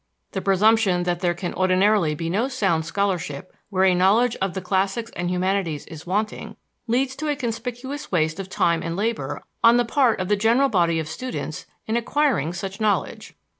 The presumption that there can ordinarily be no sound scholarship where a knowledge of the classics and humanities is wanting leads to a conspicuous waste of time and labor on the part of the general body of students in acquiring such knowledge.